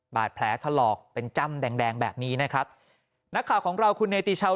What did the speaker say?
บาดแผลถลอกเป็นจ้ำแดงแดงแบบนี้นะครับนักข่าวของเราคุณเนติชาว